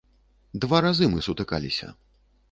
Два разы мы сутыкаліся.